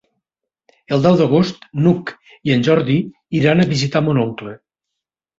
El deu d'agost n'Hug i en Jordi iran a visitar mon oncle.